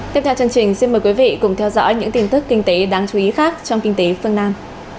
tiếp theo chương trình xin mời quý vị cùng theo dõi những tin tức kinh tế đáng chú ý khác trong kinh tế phương nam